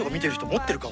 持ってるか？